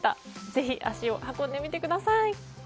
ぜひ足を運んでみてください。